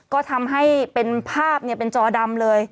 ก็ทำให้เป็นภาพเป็นจอดำเลย